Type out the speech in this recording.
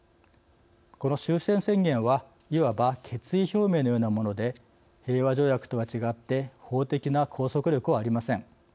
この終戦宣言はいわば決意表明のようなもので平和条約とは違って法的な拘束力はありません。